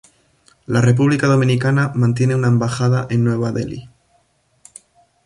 La República Dominicana mantiene una Embajada en Nueva Delhi.